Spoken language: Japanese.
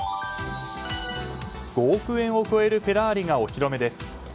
５億円を超えるフェラーリがお披露目です。